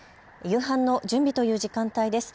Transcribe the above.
夕飯の準備という時間帯です。